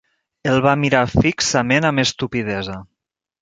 El va mirar fixament amb estupidesa.